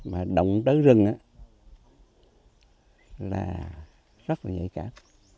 mà động tới rừng là rất là nhạy cảm